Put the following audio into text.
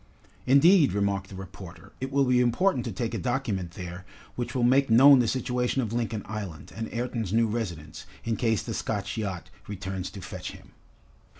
"Indeed," remarked the reporter, "it will be important to take a document there which will make known the situation of Lincoln Island, and Ayrton's new residence, in case the Scotch yacht returns to fetch him."